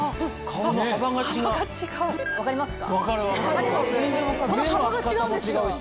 この幅が違うんですよ。